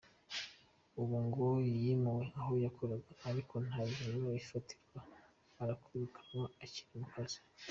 Ubu ngo yimuwe aho yakoraga, ariko nta bihano arafatirwa, arakurikiranwa akiri no mu kazi.